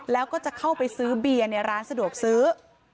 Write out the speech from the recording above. แล้วก็จะเข้าไปซื้อเบียร์ในร้านสะดวกซื้อ